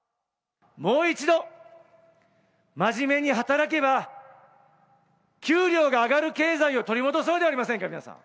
もう一度、まじめに働けば、給料が上がる経済を取り戻そうではありませんか、皆さん。